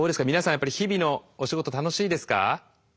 やっぱり日々のお仕事楽しいですか？